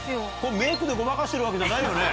メイクでごまかしてるわけじゃないよね？